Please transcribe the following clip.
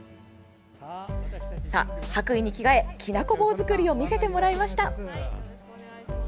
白衣に着替え、きなこ棒作りを見せてもらいました。